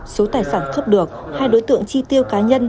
số tài sản cướp được hai đối tượng chi tiêu cá nhân